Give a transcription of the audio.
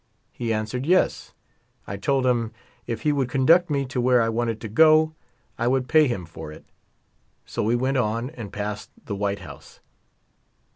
He answered yes. I told him if he would conduct me to where I wanted to go I would pa}' him for it ; so we went on and passed the White House.